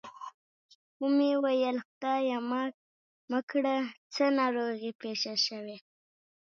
و مې ویل خدای مه کړه څه ناروغي پېښه شوې.